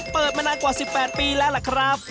เปิดมานานกว่า๑๘ปีแล้วล่ะครับ